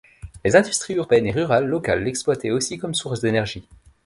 Les industries urbaines et rurales locales l'exploitaient aussi comme source d'énergie.